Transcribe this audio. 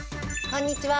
こんにちは！